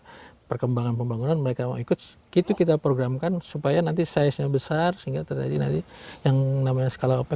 supaya nanti size nya besar sehingga terjadi nanti keberhasilan ada terjadi perkembangan pembangunan mereka ikut itu kita programkan supaya nanti size nya besar sehingga terjadi nanti ini kita bisa melakukan hal ini